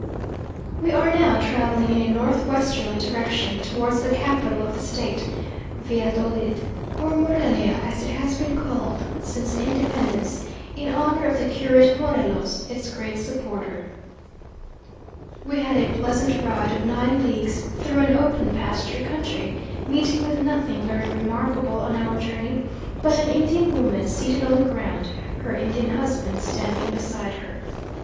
We are now travelling in a north westerly direction, towards the capital of the state, Valladolid, or Morelia, as it has been called since the independence, in honour of the curate Morelos, its great supporter. We had a pleasant ride of nine leagues through an open pasture country, meeting with nothing very remarkable on our journey, but an Indian woman seated on the ground, her Indian husband standing beside her.